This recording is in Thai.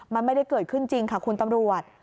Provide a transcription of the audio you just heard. มันไม่ได้เกิดขึ้นจริงค่ะคุณตำรวจ